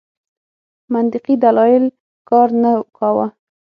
منطقي دلایل کار نه کاوه.